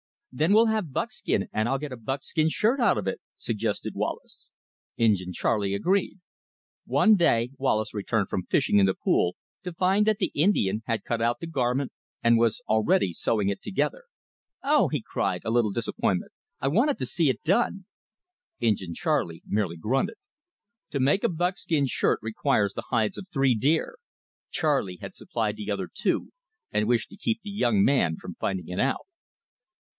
"Then we'll have buckskin and I'll get a buckskin shirt out of it," suggested Wallace. Injin Charley agreed. One day Wallace returned from fishing in the pool to find that the Indian had cut out the garment, and was already sewing it together. "Oh!" he cried, a little disappointed, "I wanted to see it done!" Injin Charley merely grunted. To make a buckskin shirt requires the hides of three deer. Charley had supplied the other two, and wished to keep the young man from finding it out.